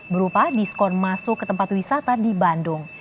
berupa diskon masuk ke tempat wisata di bandung